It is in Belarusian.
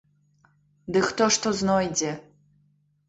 Ды хто што знойдзе!